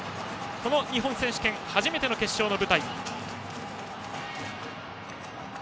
日本選手権初めての決勝の舞台。